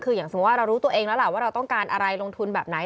คืออย่างสมมุติว่าเรารู้ตัวเองแล้วล่ะว่าเราต้องการอะไรลงทุนแบบไหน